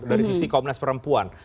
dari sisi komnas perempuan